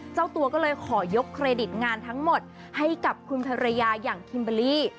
เจ้าตัวก็เลยขอยกเครดิตงานทั้งหมดให้กับคุณภรรยาอย่างคิมเบอร์รี่